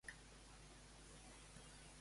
Ella estava d'acord amb el que havia dit Sánchez?